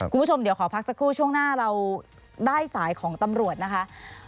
คุณผู้ชมเดี๋ยวขอพักสักครู่ช่วงหน้าเราได้สายของตำรวจนะคะ